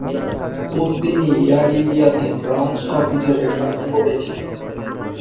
Padmini 'Air India' তে ground staff হিসেবে কাজ করেছেন।